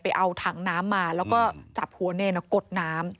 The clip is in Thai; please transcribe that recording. เอาถังน้ำมาแล้วก็จับหัวเนรกดน้ำ